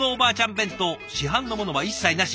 弁当市販のものは一切なし。